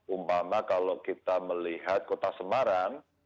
umpama kalau kita melihat kota semarang